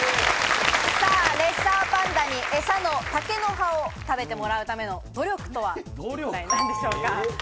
レッサーパンダにえさの竹の葉を食べてもらうための努力とは一体何でしょうか？